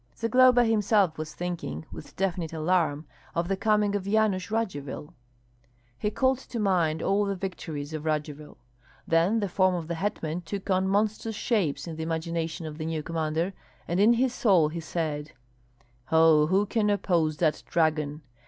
Zagloba himself was thinking, with definite alarm, of the coming of Yanush Radzivill. He called to mind all the victories of Radzivill; then the form of the hetman took on monstrous shapes in the imagination of the new commander, and in his soul he said, "Oh, who can oppose that dragon?